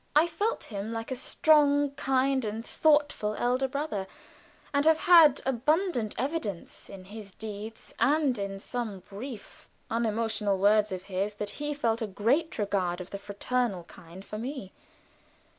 I felt him like a strong, kind, and thoughtful elder brother, and have had abundant evidence in his deeds and in some brief unemotional words of his that he felt a great regard of the fraternal kind for me.